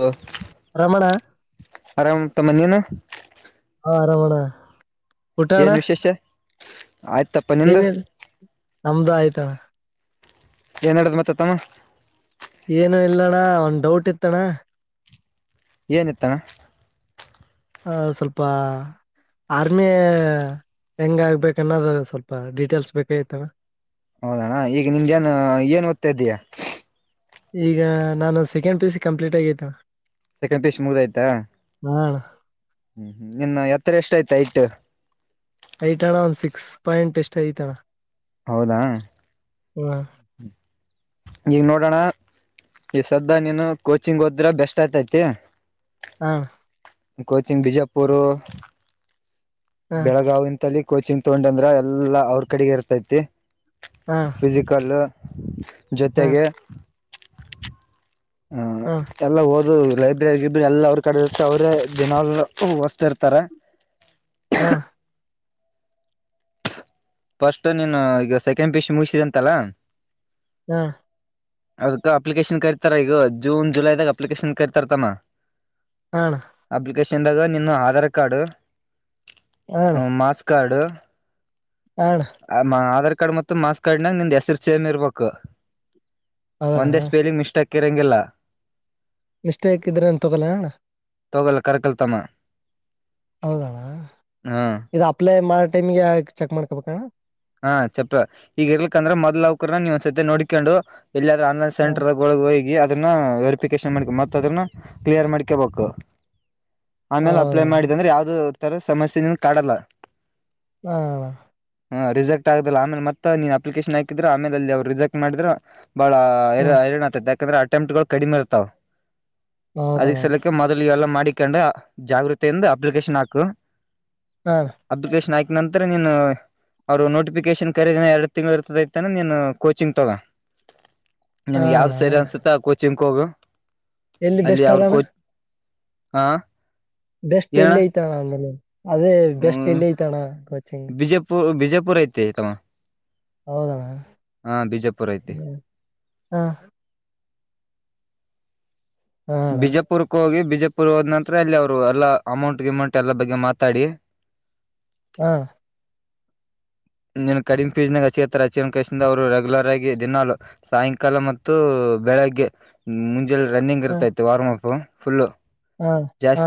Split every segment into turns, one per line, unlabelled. ಹ
ರಮಣ
ಅರಾಮ ತ ಮನೆ ನ
ಹ ಆರಾಮಣ
ಏನ್ ವಿಶೇಷ ಆಯ್ತಪ್ಪ ನಿ್ದ
ಏನಿಲ್ಲ ನಮ್ದು ಆಯ್ತ
ಏನುಡ್ದ ಮ ತಮ್ಮ
ಏನು ಇಲ್ಲಣ್ಣ ಒಂದ್ ಡೌಟ್ ಇತ್ತಣ
ಏನಿತ್ತನ
ಆ ಸ್ವಲ್ಪ ಆರ್ಮಿ ಹೆಂಗ ಆಗ್ಬೇಕನ್ನೋದು ಸ್ವಲ್ಪ ಡೀಟೇಲ್ಸ್ ಬೇಕಾಯತವೆ
ಹೌದಣ ಈಗ ನಿಮಗೆೇಏನ್ ಏನ್ ಓದತ್ತತಾ ಇದೀಯಾ
ಈಗ ನಾನು ಸೆಕೆಂಡ್ ಪಿ ಸಿ ಕಂಪ್ಲೀಟ್ ಆಗತೆ
ಸೆಕೆಂಡ್ ಪೀಸ್್ ಮುಗ್ದಯ್ತಾ
ಆನ್
ಹ್ಮ್ ನಿನ್ನ ಎತ್ತರ ಎಷ್ಟ ಆಯ್ತ ಐಟ್
ಐಟ್ ಅಣ್ಣ ಒಂದ್ ಸಿಕ್ಸ್ ಪಾಯಿಂಟ್ ಎಷ್ಟು ಐತ ಅಣ್ಣ
ಹೌದಾ
ವ್.
[unintelligible] ಈಗ ನೋಡೋಣ ಈ ಸದ್ಯ ನೀನು ಕೋಚಿಂಗ್ ಹೋದ್ರೆ ಬೆಸ್ಟ್ ಆಯ್ತೈತಿ.
ಹ.
ಕೋಚಿಂಗ್ ಬಿಜಾಪುರ್.
ಹಾ
ಬೆಳಗಾವ್ ನಿಂತಲ್ಲಿ. ಕೋಚಿಂಗ್ ತಗೊಂಡ ಅಂದ್ರ ಎಲ್ಲಾ ಅವ್ರ ಕಡೆಗೆ ಇರ್ತೈತಿ.
ಹಾ
ಫಿಜಿಕಲ್. [unintelligible]
ಹಾ
ಜೊತೆಗೆ. ಹಾ ಎಲ್ಲ ಓ. ದು ಲೈಬ್ರರಿ ಗೀಬ್ರರಿ ಎಲ್ಲ ಅವ್ರ ಕಡೆ ಇತ್ತ ಅವ್ರೇ ದಿನಾಲುಓ ತ ಇರ್ತಾರೆ.
ಹಾ.
ಫಸ್ಟ್ ನೀನು ಈಗ ಸೆಕೆಂಡ್ ಪಿಶ ಮುಗಿಸಿದೆ ಅಂತಲ್ಲಾ.
ಹಾ.
ಅದಕ್ಕ ಅಪ್ಲಿಕೇಶನ್ ಕರಿತಾರ ಈಗ ಜೂನ್ ಜುಲೈದಾಗ ಅಪ್ಲಿಕೇಶನ್ ಕರಿತಾರತಮ್ಮ.
ಅ ಹಣ.
ಲಕೇಶನ್ದಾಗ ನಿನ್ನ ಆಧಾರ್ ಕಾರ್ಡ್
ಅಣ್ಣ
ಹ ಮಾಸ್ ಕಾರ್ಡ್.
ಅಣ್ಣ
ಆ ಅಮ್ಮ ಆಧಾರ್. ಪಾನ್ ಕಾರ್ಡ್ ಮತ್ತ ಮಾಸ್ ಕಾರ್ಡ್ ನಿನ್ನ ಹೆಸರು ಚೇಂಜ್ ಇರಬೇಕು.
ಹೌದಣ್ಣ
ಒಂದೇ ಸ್ಪೆಲಿಂಗ್ ಮಿಸ್ಟೇಕ್. ಕೆರೆಂಗೀಲ್ಲ.
ಮಿಸ್ಟೇಕ್ ಇದ್ರೆ ಅಂತ ತಗಲ್ಲ ಅ ಣ್ಣ.
ತೋಗಲ್ಲ ಕರಿ ಕಲ್ ತಮ್ಮ.
ಹೌದಣ ಇದು ಅಪ್ಲೈ ಮಾಡ. ಟೈಮ್ಗೆ ಆಯಿಲ್ ಚೆಕ್ ಮಾಡ್ಕೋಬೇಕಣ್ಣ.
ಹಾ ಚಪ್ಪ ಈಗ ಇರ್ಲಕಂದ್ರ ಮೊದ್ ಅವಕ್ರ ನೀವ ಒಂದ್ ಸತಿ ನೋಡಿಕೊಂಡು. ಎಲ್ಲಿಾದ್ರ ಆನ್ೈನ್
ಹಾ
ಸೆಂಟರ್ ಒಳ ಹೋಗಿ. ದ ವೆರಿಫಿಕೇಶನ್ ಮಾಡ್ ಮತ್ತುಅದನ್ನ ಕ್ಲಿಯರ್ ಮಾಡ್ಕೋಬೇಕು. ಆಮೇಲೆ ಅಪ್ಲೈ
ಹೌದಣ್ಣ
ಮಾಡಿದೆ ಅಂದ್ರೆ ಯಾವ್ದ. ಇ ತರ ಸಮಸ್ಯೆ ನೀನು ಕಾಡಲ್ಲ.
ಹಾ.
ಹ ರರಿಿಸೆಕ್ಟ್ ಆಗಿಲ್ಲ ಆಮೇಲೆತ್ತ ನೀನ್ ಅಪ್ಲಿಕೇಶನ್ ಹಾಕಿದ್ರೆ ಆಮೇಲೆ ಅಲ್ಲಿ ಅವರು ರಿಸೆಕ್ಟ್ ಮಾಡಿದ್ರರು. ಬಾಳ
ಹ್ಮ್
ತ ಯಾಕಂದ್ರೆ ಅಟೆಂಪ್್ ಗಳು ಕಡಿಮೆ ಇರ್ತಾವ. ಅದಿ
ಹೌದಣ್ಣ
ಸಲಕ್ಕೆ ಮೊದಲು ಇವೆಲ್ಲ ಮಾಡಿ. ಕಂಡ್ರ ಜಾಗೃತಿಂದ ಅಪ್ಲಿಕೇಶನ್ ಹಾಕು
ಹಾ ಅಣ್ಣ.
ಅಬ್ದುಲ್ಕೇಶ್ ನಾಯ್ಕ ನಂತರ ಎನು ಅವರು ನೋಟಿಫಿಕೇಶನ್ ಕರೀದಿನ ಎರಡು ತಿಂಗಳು ಇರ್ತದೈಐತಾನ ನೀನು ಕೋಚಿಂಗ್ ತಗೋ
ಹಾ
ನನ್ಗ್
ಅಣ್ಣ
ಯಾವ್ದ್ ಸರಿ ಅನ್ಸುತ್ತಾ ಕೋಚಿಂಗ ಕ್ಕೋಗ
ಎಲ್ಲಿ ಬೆಸ್ಟ್ ಆಗೋಣ
ಹಾ
ಬೆಸ್ಟ್ ಎಲ್ಲಿ ಐತಾನ ಆಮೇಲೆ ಅದೇ ಬೆಸ್ಟ್
ಹ್ಮ್
ಇಲ್ಲಿ ಐತಣ್ಣ ಕೋಚಿಂಗ್
ವಿಜಯಪುರ ಐತೆ ತಮ್ಮ
ಹೌದಣ್ಣ
ಹಾ ಬಿಜೆಪುರ ಐತಿ
ಹಾ ಹಾ ಅಣ್ಣ
ಬಿಜಾಪುರ್ಕ್ಕೆ ಹೋಗಿಬಿ ವಿಜಯಪುರ ಹೋದ್ ನಂತರ ಅಲ್ಲಿ ಅವ್ರು ಎಲ್ಲಾ ಅಮೌಂಟ್ ವಿಮೌಂಟ್ ಎಲ್ಲ ಬಗ್ಗೆ ಮಾತಾಡಿ
ಹಾ
ಇ ಕಡಿಮೆ ಪೀಜಿನ ಚೇತರ ಅಚೀಕ ಅವರು ರೆಗ್ಯುಲರ್ ಆಗಿ ದಿನಾಲುು ಸಾಯಂಕಾಲ ಮತ್ತು ಬೆಳಗ್ಗೆಂ ರನ್ನಿಂಗ್
ಹಾ
ಇರ್ತಾ ಇತ್ತು ವಾರ್ ಅಪ್ ಫಲ್ಲ
ಹಾ ಹಾ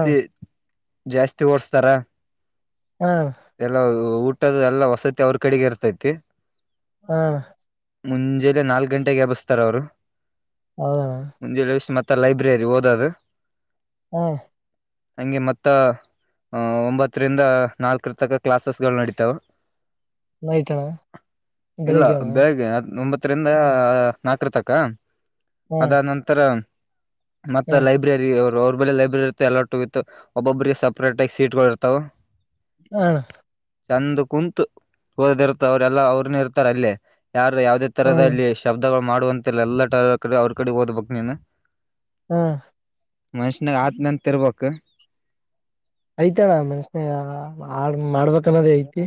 ಜಾಸ್ತಿ ಓಡ್ಸ್ತಾರ
ಹಾ
ಎಲ್ಲ ಊ ಟ್ಟದ ಎಲ್ಲ ವಸತಿ ಅವ್ರ ಕಡೆಗೆ ಇರ್ತೈತಿ
ಹಾ
ಮುಂಜಲೆ ನಾಲ್ಕ ಗಂಟೆಗೆ ಎಬುಸ್ತಾರ ಅವ್ರು
ಹೌದಣ್ಣ
ಮುಂಜೆಲ್ ಎಬಿಸ್ ಮತ್ತೆ ಮತ್ತ ಲೈಬ್ರರಿ ಓದದು
ಹಾ
ಹಂಗೆ ಮತ್ತ ಒಂಬತ್ತರಿಂದ ನಾಲ್ಕರ ಪುಸ್ತಕ ಕ್ಲಾಸಸ್ ಗಳು ನಡೀತಾವ
ನೈಟ್ ಅಣ್ಣ
ಇಲ್ಲ
ಬೆಳಿಗ್ಗೆ ಅಣ್ಣ
ಬೇಳಿಗ್ಗೆ ಒಂಬತ್ತರಿಂದ
ಹ್ಮ್
ನಾಲ್ಕರ ತಕ್ಕ ಹ ಅದ
ಹ್ಮ್
ನಂತರ ಮತ್ತ
ಹ್ಮ್
ಲೈಬ್ರರಿಗೆ ಅವ್ರ ಬೆೇಲೆ ಲೈಬ್ರರಿ ಇರ್ ಎಲ್ಲು ಇತ್ತು ಒಬೊಬರಿಗೆಿಗೆ ಸಪ್ರೇಟ್ ಆಗಿ ಸೀಟ್ಗಳು ಇರ್ತವು
ಹ
ಚೆಂದ್ ಕುಂತ ಓದದಿರ್ತ ಅವ್ರ ಎಲ್ಲಾ ಅವರ್ನೆ ಇರ್ತಾರೆ ಅಲ್ಲೇ. ಯಾರು ಯಾವವುದೇ ತರ
ಹ್ಮ್
ಅಲ್ಲಿ ಶಬ್ದಗಳು. ಮಾಡುವಂತಿಲ್ಲ ಎಲ್ಲ ಟ ಕಡೆ ಅವ್ರ ಕಡೆ ಓದಬೇಕ ನೀನು.
ಹ್ಮ.
ಮನುಷ್ಯನಾಗ ಆದತ್ನೆಂತ ಇರ್ಬೇಕ.
ಐತಿ ಅಣ್ಣ ಮನಸನ್ಯಾಗ್ ಆ ಮಾಡ್ಬೇಕನ್ನೋದೇ ಐತಿ.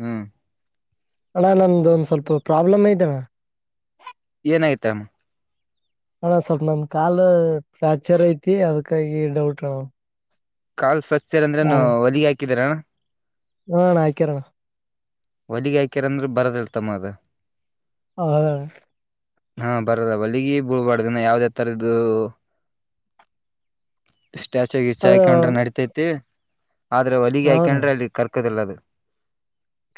ಹ್ಮ್.
ಅಣ್ಣ ನಂದ ಒಂದ್ ಸ್ವಲ್ಪ ಪ್ರಾಬ್ಲಮ ಐತಿ ಅಣ್ಣ.
ಏನಯತಮ್ಮ.
ಅಣ್ಣ ಸ್ವಲ್ಪ ನಂದ್ ಕಾಲ ಫ್ರಾಕ್ಚರ್ ಐತಿ ಅದಕ್ಕಾಗಿ ಡೌಟ್ ಅಣ್ಣ.
ಕಾಲ್ ಸ ಪ್ರಕ್ಚರ್ ಅಂದ್ರೆ ಏನು ಹೊಲಿಗೆ ಕಿದರ.
ಹ್ಮ್ ಅಣ್ಣ ಹಾಯಕರ ಅಣ್ಣ.
ಹೊಲಗಿ ಹಾಕ್ಯಾರಂದ್ರ ಬರದಿಲ್ಲ ತಮ್ಮ ಅದ.
ಹಾ.
ಹಾ ಬರದ ಹೋಲಿಗಿ ಬೀಳ್ಬಾರದಿನ್ನ ಯಾವ್ದೇಥರದು. ಸ್ಟ್ಯಾಚುಗೆ
ಅದು
ಹಾಕೊಂಡ್ರೆ ನಡತೈತಿ. ಆದ್ರೆ ಹೊಲಿಗೆ
ಹೌದಣ
ಹಯಕೊಂಡ್ರೆ ಅಲ್ಲಿ ಕರ್ಕದಿಲ್ಲ ಅದ.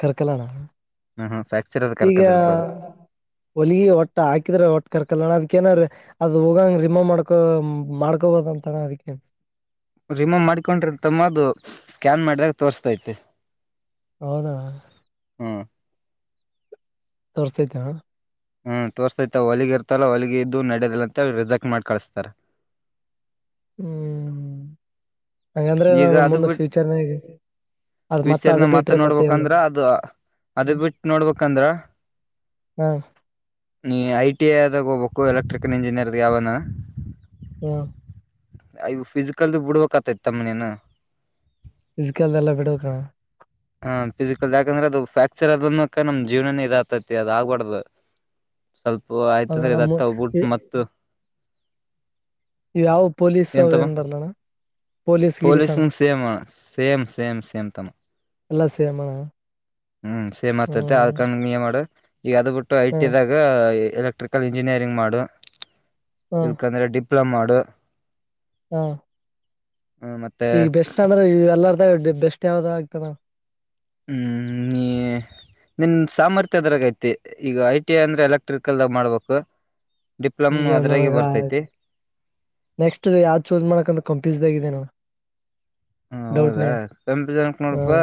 ಕರ್ಕಲೋಣ
ಹ್ಮ್ ಹ್ಮ್ ಫ್ರಾಕ್ಚರ್ ಅದು
ಈಗ
ಕರ್ಕದಿಲ್ಪ ಅದು
ಹೊಲಗಿ ವೊಟ್ಟೆ ಹಾಕಿದ್ರೆ ವೊಟ್ಟ ಕರ್ಕಲೋಣ ಅದ್ಕೇನರೇ ಅದ ಹೋಗಂಗ ರಿಮೋವ್ ಮಾಡ್ಕೊ ಮಾಡ್ಕೊಬೋದ ಅಂತಣ ಅದಕ್ಕೆ.
ರಿಮೂವ್ ಮಾಡ್ಕೊಂಡ್ರೆ ತಮ್ಮ ಅದು ಸ್ಕ್ಯಾನ್ ಮಾಡಿದಾಗ ತೋರ್ಸತೈತೆ.
ಹೌದಾ. ತೋರ್ಸತೈತಿ ಅಣ್ಣ.
ಹ್ಮ್ ತೋರ್ಸ್ತೈತೆ ಹೊಲಿಗಿ ಇರ್ತವಲ್ಲಾ ಹೋಲಿಗಿ ಇದ್ದು ನಡದಿಲ್ಲ ಅಂತ ಹೇಳಿ ರಿಸೆಕ್ಟ್ ಮಾಡಿ ಕಳಸ್ತಾರ.
ಹ್ಮ್. ಹಂಗಂದ್ರೆ
ಈಗ
ನಾನು
ಅದು
ಮುಂದ
ಬಿಟ್ಟ
ಫ್ಯೂಚರ್ನಾಗ ಅದ್ ಅದ
ವಿಸರ್ನ ಮತ್ತ
ಬಿಟ್ರೆ ಮತ್ತೆ ಎಲ್ಲ
ನೋಡ್ಬೇಕಂದ್ರ ಅದು ಅದ ಬಿಟ್ಟ ನೋಡ್ಬೇಕಂದ್ರ.
ಹ
ನೀ ಐ ಟಿ ಐ ದಾಗ ಹೋಗ್ಬೇಕು ಎಲೆಕ್ಟ್ರಿಕಲ್ ಇಂಜಿನಿಯರ್ದ ಯಾವನ.
ಹ್ಮ.
ಅ ಯುವ ಫಿಸಿಕಲ್ದು ಬಿಡಬೇಕಾಗತೈತಿ ತಮ್ಮ ನಿನ.
ಫಿಸಿಕಲ್ ಯಲ್ಲಾ ಬಿಡಬೇಕ ಅಣ್ಣ.
ಹ ಫಿಸಿಕಲ್ ಯಾಕಂದ್ರೆ ಅದು ಫ್ರಾಕ್ಚರ್ ಅದಕನ್ ನಮ್ ಜೀವನನೇ ಇದ ಆಕ್ತೀತಿ ಅದ ಆಗ್ಬಾರ್ದ. ಸ್ವಲ್ಪ ಆಯ್ತದೆ ಒ
ಅದಣ
ಇದ ಆಗ್ತೇದೆ ಗುಡ್ ಮತ್ತ್.
ಇವು ಯಾವ ಪೊಲೀಸ್
ಏನ್ ತಮ್ಮ
ಅವೆನ್ ಬರ್ಲಣ್ಣ ಪೊಲೀಸ್ ಗೀಲಿಸ ಅಣ್ಣ.
ಪೊಲೀಸಂಗ್ ಸೇಮ್ ಸೇಮ್ ಸೇಮ್ ಸೇಮ್ ತಮ್ಮಾ.
ಎಲ್ಲಾ ಸೇಮ್ ಅಣ್ಣ
ಹ್ಮ್ ಸೇಮ ಆಕೆತೈತಿ
ಹ್ಮ್
ಅದಕ್ ನೀ ಏನ್ ಮಾಡ. ಈಗ ಅದು ಬಿಟ್ಟು ಐ
ಹ್ಮ
ಟೀ ದಾಗ ಎಲೆಕ್ಟ್ರಿಕಲ್ ಇಂಜಿನಿಯರಿಂಗ್ ಮಾಡ.
ಹ್ಮ
ಇಲ್ಕಂದ್ರೆ ಡಿಪ್ ಪ್ಪಳ ಮಾಡು
ಹಾ
ಮತ್ತೆ
ಈಗ ಬೆಸ್ಟ್ ಅಂದ್ರೆ ಎಲ್ಲ ಬೆಸ್ಟ್ ಯಾವ್ದಾವ ಆಗ್ತಾನ
ಹ್ಮ್ ನಿನ್ ಸಾಮರ್ಥ್ಯದರಾಗೈತಿ ಈಗ ಐ ಟಿ ಐ ಅಂದ್ರೆ ಎಲೆಕ್ಟ್ರಿಕಲ್ಾಗ ಮಾಡ್ಬೇಕು ಡಿಪ್ಲೊಮ್
ಈಗ
ಅದ್ರಾಗೆ
ನನಗ
ಬರ್ತೈತಿ
ನೆಕ್ಸ್ಟ್ ಯಾವ್ ಚೂಸ್ ಮಾಡಕಂದ್ರ ಕಂಪಿಸಾಗಿದೆ ನ
ಹ ಹೌದಾ ಕಂಪಿ ಜನಕ್ ನೋಡಪಾ
ಹ್ಮ್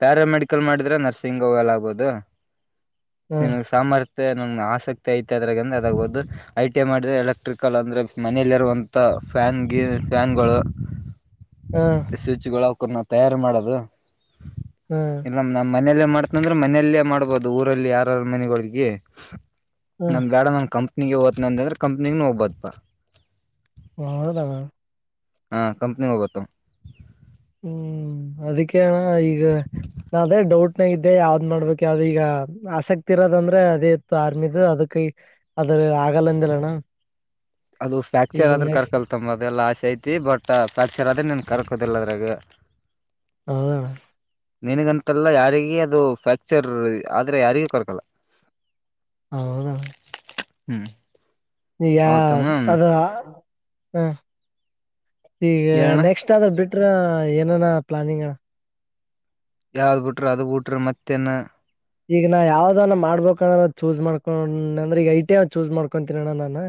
ಪ್ಯಾರ ಮೆಡಿಕಲ್ ಮಾಡಿದ್ರೆ ನರ್ಸಿಂಗ್ ಹೋಗಲ್ಲ ಆಗ್ಬೋದು
ಹ್ಮ್
ನಿಮಗ್ ಸಂಬಾರ್ ಮ ನಮ್ ಆಸಕ್ತಿ ಐತೆ ಅದ್ರಂದ್ರೆ ಅದಾಗಬಹದು ಐ ಟಿಐ ಮಾಡಿದ್ರೆ ಎಲೆಕ್ಟ್ರಿಕಲ್ ಅಂದ್ರೆ ಮನೇೆಯಲ್ಲಿರುವಂತ ಫ್ಯಾನ್ ಗಿ ಫ್ಯಾನ್ಗಳು
ಹ್ಮ್
ಸ್ವಿಚ್ಗಳು ರ್ ನ ತಯಾರಿ ಮಾಡೋದು
ಹ್ಮ್
ಎಲ್ಲ ನಮ್ಮ ಮನೆಯಲ್ಲೇ ಮಾಡ್ತ ಅಂದ್ರೆ ಮನೆಯಲ್ಲೇ ಮಾಡ್ಬೋದು ಊರಲ್ಲಿ ಯಾರಾರ ಮನೆಗಳಿಗೆ
ಹ್ಮ್
ನಮ್ ಗ್ಯಾಡ ನ ಕಂ ಕಂಪ್ನಿಗೆ ಓತ್ತನ ಅಂತಂದ್ರೆ ಕಂಪ್ನಿ ಹೋಗ್ಬತ್ಪ್ಪಾ
ಹೌದಾ
ಹಾ ಕಂಪ್ನಿಿಗೆ ಹೋಗುತ್ತು
ಹ್ಮ್ ಅದಕ್ಕೆಣ ಹ ಈಗ ನಾ ಅದೇ ಡೌಟ್ ನ ಇದ್ದೆ ಯಾವ್ದ್ ಮಾಡ್ಬೇಕ ಯಾವ್ದ ಈಗ ಆಸಕ್ತಿ ಇರೋದಂದ್ರೆ ಅದೇ ಇತ್ತು ಆರ್ಮಿದು ಅದಕೈ ಅದ್ರ ಆಗಲ್ಲಂದಿಲ್ಲಣ
ಅದು ಫ್ರ್ಯಾಕ್ಚರ್ ಆದ್ರೆ ಕರ್ಕಲ್ತಮ್ಮ ಅದೆಲ್ಲ ಚೈತಿ ಬಟ್ಟ ಪ್ಯಾಕ್ಚರ್ ಆದ್ರೆ ನನ್ ಕರ್ಕೋುದಿಲ್ಲ ಅದ್ರಾಗ
ಹೌದಣ
ನಿನಗಂತಲ್ಲ ಯಾರಿಗ ಅದು ಫ್ರ್ಯಾಕ್ಚರ್ ಆದ್ರೆ ಯಾರಿಗ ಕೊರಕಲ್ಲ
ಹೌದಾ
ಹ್ಮ್
ನೀ ಯ
ಹೌದಮ್ಮ
ಅದು ಹಾ ಈಗ
ಹೇಳಣ
ನೆಕ್ಸ್ಟ್ ಆದ ಬಿಟ್ಟ ಹತ್ರ ಏನನ ಪ್ಲಾನಿಂಗ್
ಯಾವ್ದ್ ಬಿಟ್ರ ಅದ ಬಿಟ್ರ ಮತ್ತೇನ್
ಈಗ ನಾ ಯಾವ್ದಾನ ಮಾಡ್ಬ್ರ ಚೂಸ್ ಮಾಡ್ಕೊಂಡ ಅಂದ್ರೆ ಈಗ ಐ ಟಿ ಚೂಸ್ ಮಾಡ್ಕೊಂತನಣ್ಣ ನಾನನ್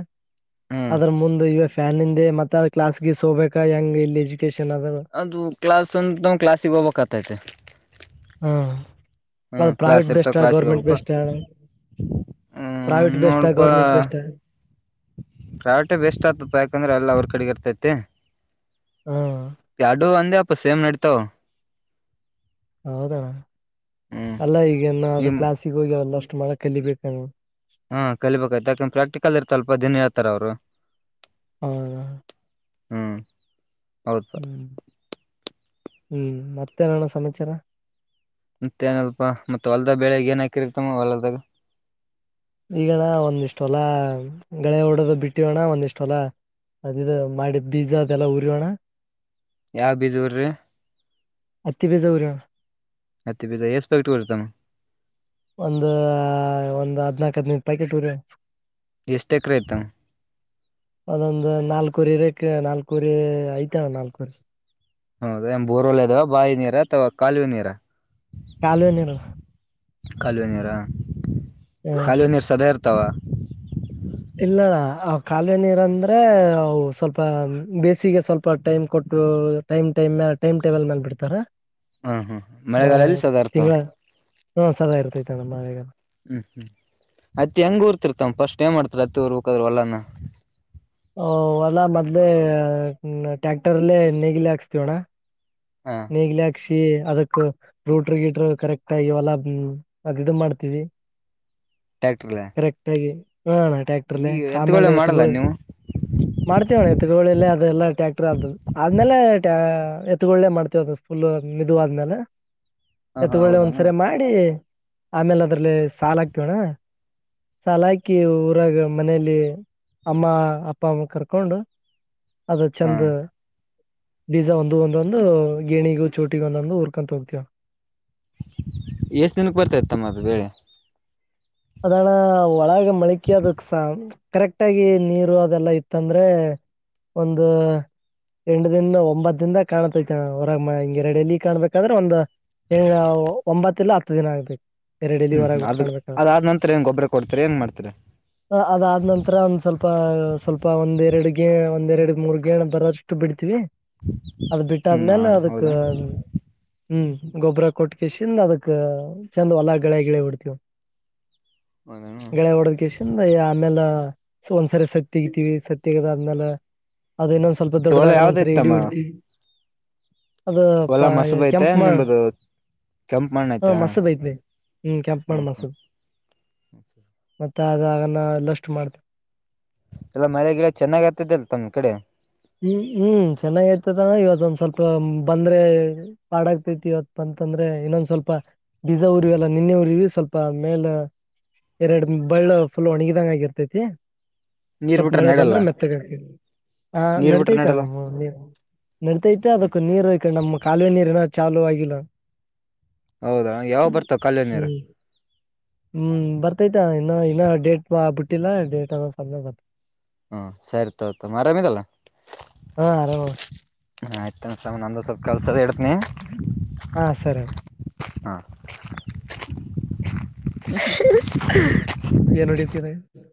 ಹ್ಮ್
ಅದ್ರ ಮುಂದೆವ ಫ್ಯಾನ್ ಇಂದೆ ಮತ್ತೆ ಕ್ಲಾಸ್ಗೆ ಸ ಹೋಗಬೇಕಾ ಹೆಂಗ ಇಜು
ಅದು ಕ್ಲಾಸ್ ಅ ಕ್ಲಾಾಸಿಗೆ ಹೋಗಬೇಕಕ್ ಆತೈತೆ
ಹಾ
ಹ್ಮ ಕ್ಲಾಸ್ ಇರ್ತಾವ ಕ್ಲಾಸ್ಿಗೆ ಹೋಗ್ಬೇಕು ಹ್ಮ
ಪ್ರೈವೇಟ್ ಬೆಸ್ಟ್
ನೋಡಪಾ
ಗೌರ್ಮೆಂಟ್ ಬೆಸ್ಟ್
ಕ್ರಾವಿಟಿ ಬೆಸ್ಟ್ ಆಗ್ತಪ ಯಾಕಂದ್ರೆ ಎಲ್ಲ ಅವ್ರ ಕಡೆ ಇರ್ತತಿ ತ್ತೆ
ಹ್ಮ್
ಪಡು ಆಂದೆ ಸೇಮ್ ನಡತಾವ್ ಹ್ಮ್
ಅಲ್ಲ ಈಗ ನ
ಈ
ಅದು ಕ್ಲಾಸಿಗೆ ಹೋಗಿ ಒಂದಷ್ಟು ಮಳ ಕಲಿಬೇಕ
ಹಾ ಕಲಿಬೇಕಾಯ್ತು ಯಾಕಂದ ಪ್ರಾಕ್ಟಿಕಲ್ ಇರ್ತಲ್ಪ ದಿನ ಹೇಳ್ತಾರ ಅವ್ರು
ಹ್ಮ
ಹ್ಮ್ ಹೌದಪ
ಹ್ಮ್ ಹ್ಮ್ ಮತ್ತೇನಣ ಸಮಾಚಾರ
ಮತ್ತೇಏನಲ್ಪಾ ಮತ್ತೆ ಹೊಲ್ದ ಬೆಳಗ್ ಏನ್ ಹಾಕಿರ್ತಮ್ಮ ಹೊಲದಾಗ
ಈಗಣ್ಣ ಒಂದಿಷ್ಟ ಬೆಳೆ ಹೊಡೋದು ಬಿಟ್ಟಿವಣ್ಣ ಒಂದಿಷ್ಟ ಒಲ ಅದದು ಮಾಡಿ ಬೀಜ ಅದೆಲ್ಲ ಉರಿಯಣ್ಣ
ಯಾವ ಬೀಜರ್ರೀ
ಹತ್ತಿ ಬೀಜ ಉರಿಯೋಣ
ಅತ್ತ ಬ ಎಕ್ಸ್ಪೆಕ್ಟ್ ಕೊತಮ್ಮ
ಒಂದ ಒಂದ್ ಹದ್ನಾಕ್ ಹದಿನೈದ್ ಪ್ಯಾಕೆಟ್ ಇವ್ರಿ
ಎಷ್ಟ ಎಕರೆ ಐತಮ್ಮ
ಒದೊಂದು ನಲ್ಕುರಿರಿ ನಾಲ್ಕೂವರೆ ಆಯ್ತ ನಾಲ್ಕೂವರೆ.
ಹೌದ ಬೋರವೆಲ್ ಇದಾವ ಬಾವಿ ನೀರ ಅಥವಾ ಕಾಲುವೆ ನೀರ.
ಕಲ್ವೆ ನೀರು.
ಕಾಲ್ವೆ ನೀರ. ಕಾಲುವೆ ನೀರ್ ಸದಾ ಇರ್ತಾವ.
ಇಲ್ಲಣ ಅವ ಕಾಲುವೆ ನೀರ ಅಂದ್ರೆ ಅವು ಸ್ವಲ್ಪ ಬೇಸಿಗೆ ಸ್ವಲ್ಪ ಟೈಮ್ ಕೊಟ್ಟು ಟೈಮ್ ಟೈಮ್ ಟೈಮ್ ಟೇಬಲ್ ಮೇಲ್ ಬಿಡ್ತಾರ.
ಹಾ ಹ್ಮ್ ಮಳೆಗಾಲದಲ್ಲಿ ಸದಾ ಇರ್ಥವ.
ಹಾ ಸದಾ ಇರ್ತೈತ ನಮ್ಮೇಗಲ್ಲ.
ಹ್ಮ್ ಹ್ಮ್ ಅತ್ತ ಹೆಂಗ ತೂರ್ತಿರ್ತವ ಫಸ್ಟ್ ಟೈಮ್ ಮಾಡ್ತರ್ ಅತ್ತಿ ಊರ್ ಹಕದ್ರು ಹೂಲನ.
ಹೊಲಾ ಮದ್ಲೇ ಟ್ಯಾಕ್ಟರ್ಲ್ಲೇ ನೇಗಿಲೆ ಹಾಕ್ಸ್ತವಣ್ಣ.
ಹಾ
ನೆಗ್ಲಿಹಾಕ್ಸಿ. ಅದಕ್ ಕೂಟ್ರ ಗೀಟ್ರು ಕರೆಕ್ಟ್ ಆಗಿ ಹೊಲ ಅ ಇದು ಮಾಡ್ತೀವಿ.
ಟ್ಯಾಕ್ಟರ್ಲೆ
ಕರೆಕ್ಟಾಗಿ. ಹ
ಈ
ಟ್ಯಾಕ್ಟ್ರಲ್ಲಿ
ಎತ್ತುಗಳೇ
ಆಮೇಲೆ
ಮಾಡಲ್ಲ
ಎತ್ಗಳು.
ನೀವು
ಮಾಡ್ತೇವಣ್ಣ ಎತ್ಗೊಳೆ ಅದೆಲ್ಲ ಟ್ಯಾಕ್ಟರ್ ಆದ ಆದ್ಮೇಲೆ ಎತ್ಗೊಳೆ ಮಾಡ್ತೇವ ಫುಲ್ ಮಿದುವ ಆದ್ಮೇಲೆ.
ಹ ಹಾ
ಎತ್ಗೊಳ್ಳೆ
ಹೌದಾನ
ಒಂದ್ಸರಿ ಮಾಡಿ. ಆಮೇಲೆ ಅದ್ರಲ್ಲಿ ಸಾಲ ಹಾಕ್ತೇವಣ ಸಾಲ ಹಾಕಿ ಊರಾಗ ಮನಲಿ ಅಮ್ಮ ಅಪ್ಪ. ಅಪ್ಪಾಮ ಕರ್ಕೊಂಡು. ಅದ
ಹಾ
ಚೆಂದು. ಬೀಜ ಒಂದು ಒಂದೊಂದು ಗೇಣಿಗ. ಚೋಟಿಗ ನನ್ನು ಹುರ್ಕೊಂಡ್ ತಿಂತೀಯಾ.
ಎಷ್ಟ ದಿನಕ್ಕೆ ಬರ್ತ ಇತ್ತಮ್ಮದು ಬೇಳೆ.
ಅದಣ ಒಳಗೆ. ಮಳಿಕದಸ [unintelligible] ಕರೆಕ್ಟ್ ಆಗಿ ನೀರು ಅದೆಲ್ಲಾ ಇತ್ತಂದ್ರೆ ಒಂದು ಎಂಡ ದನ್ ಒಂಬತ್ತು ದಿಂದ ಕಾಣತೈತೆ ಹೊರಗ ಹಿಂಗಗೆರಡಲ್ಲಿ ಕಾಣ್ಬೇಕಂದ್ರೆ ಒಂದ ಒಂಬತ್ತ ಇಲ್ಲ ಹತ್ತು ದಿನ ಆಗ್ಬೇಕು.
ಹ್ಮ್ ಮಾಡ್ಬಿಡಿ ಅದಾದ್ಮೇಲೆ.
ಹ ಅದಾದ ನಂತರ ಒಂದ್ ಸ್ವಲ್ಪ ಸ್ವಲ್ಪ ಒಂದ್ೆರಡ್ಗೆ. ಒಂದ್ ಎರಡು ಮೂರುಗಣ ಬರೋಷ್ಟು ಬಿಡ್ತಿೀವಿ ಅದು
ಹ್ಮ್
ಬಿಟ್ಟಾದ್ಮೇಲೆ ಅದಕ್ಕ.
ಹೌದಾ
ಹ್ಮ್ ಗೊಬ್ಬರ ಕೊಟ್ಟಕಸಿಂದ ಅದಕ್ ಚಂದ ಹೊಲ ಗಿಳೆ ಹೊಡ್ತಿೇವ.
ಹೌದೇನು
[unintelligible] ಸೊ ಒಂದ್ಸರಿ ಸತ್ತಗತಿೀವಿ ಸತ್ತಗದಾದ್ಮೇಲೆ [unintelligible] ಅದ ಇನ್ನೊಂದ ಸ್ವಲ್ಪ
ಹೊಲ
ದೊಡದಾಗ ಒಂದ್ರಿ ಇಡಿ
ಯಾವ್ದೈತಮ್ಮ
ಹಡಡ್ತಿ. ಅದು
ಹೊಲ
ಪ
ಮಸಬ ಐತೆ
ಕೆಂಪ ಮಾಡ
ನಿಮ್ದು ಕೆಂಪ್ ಮಣ್ಣ
ಹ
ಐತಾ
ಮಸದ ಐತ್ವಿ ಹ್ಮ ಕೆಂಪು ಮಾಡ
ಹ್ಮ್ ಹ್ಮ್
ಮಸದ. ಮತ್ತೆ ಅದಗನ್ನ ಎಲ್ಲಷ್ಟು ಮಾಡತ
ಎಲ್ಲ ಮಳೆ ಗಿಡ ಚೆನ್ನಾಗ ಆತದ ಅಲ್ ತಮ್ಮ್ ಕಡೆ
ಹ್ಮ್ ಹ್ಮ್ ಚೆನ್ನಾಗ ಐತದ ಇವತ್ತು ಒಂದ್ ಸ್ವಲ್ಪ ಬಂದ್ರೆ ಪಾಡಗ್ತೈತಿ ಇವತ್ ಅಂತಂದ್ರೆ ಇನ್ನೊಂದ್ ಸ್ವಲ್ಪ ಬೀಜ ಉಊರಿವಿ ಎಲ್ಲ ನಿನ್ನೆ ಉಊರಿವಿ ಸ್ವಲ್ಪ ಮೇಲ್ ಎರಡು ಬಳ್ಳ ಫುಲ್ ಒಣಗಿದಂಗ ಆಗಿರ್ತೈತಿ
ನೀರ್
ಸ್ವಲ್ಪ
ಬಿಟ್ರೆ
ಮಳೆ
ನಡಲ್ಲ
ಬಂದ್ರೆ ಮೆತ್ತಗೆ ಹಾಕ ಹಾ
ನೀರ್ ಬಿಟ್ರೆ
ನಡತೈತೆ
ನಡಲ್ಲ
ನ ನೀ ನಡತೈತೆ
ಹ್ಮ್
ಅದಕ್ಕ ನೀರು ನಮ್ಮ್ ಕಾಲುವೆ ನೀರ್ ಏನ ಕಾಲುವ ಆಗಿಲ್ಲ
ಹೌದಾ ಯಾವ ಬರ್ತಾವ ಕಾಲ್ವೇ ನೀರು
ಹ್ಮ್. ಹ್ಮ್ ಬರ್ತೈತಾ ಇನ್ನ ಇನ್ನ ಡೇಟ್ ಬಿಟ್ಟಿಲ್ಲ ಡ ಡೇ ಹಾವರ್ಸಾಲ್ಲಿ
ಹ್ಮ ಸರಿತತ ಆರಾಮಿದಲ್ಲ
ಹಾ ಆರಾಮ
ಹ ಆಗ್ತಾ ಇರ್ತ ನಂದ ಸ್ಲ್ಪ ಕಲ್ಸದ ಹೇತನಿ
ಹಾ ಸರಿ
ಹಾ
ಏನ್ ನಡೀತಿದೆ